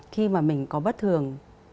khi mà mình có bất thường